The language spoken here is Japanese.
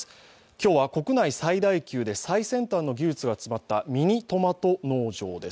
今日は国内最大級で最先端の技術が詰まったミニトマト農場です。